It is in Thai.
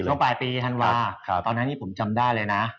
ช่วงปลายปีธันวาตอนนั้นที่ผมจำได้เลยนะ